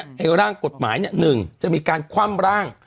ให้ร่างกฎหมาย๑จะมีการคว่ำร่าง